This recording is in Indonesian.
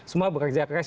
semua bekerja keras